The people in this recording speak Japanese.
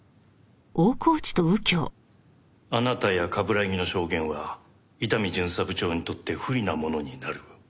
あなたや冠城の証言は伊丹巡査部長にとって不利なものになる。